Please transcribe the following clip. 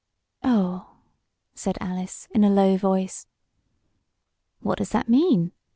"Oh!" 'said Alice, in a low voice. "What does that mean?"